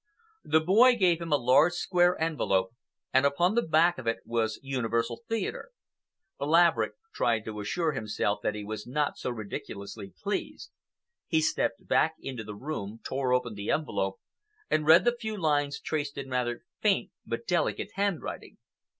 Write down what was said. The boy gave him a large square envelope, and upon the back of it was "Universal Theatre." Laverick tried to assure himself that he was not so ridiculously pleased. He stepped back into the room, tore open the envelope, and read the few lines traced in rather faint but delicate handwriting.